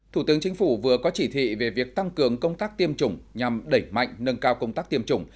thủ tướng chính phủ vừa có chỉ thị về việc tăng cường công tác tiêm chủng nhằm đẩy mạnh nâng cao công tác tiêm chủng